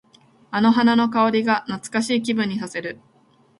あの花の香りが懐かしい気分にさせる。